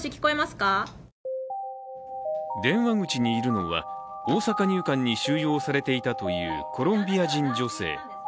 電話口にいるのは、大阪入管に収容されていたというコロンビア人女性。